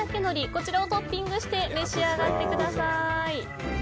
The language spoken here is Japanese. こちらをトッピングして召し上がってください。